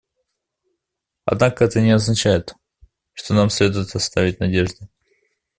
Однако это не означает, что нам следует оставить надежды.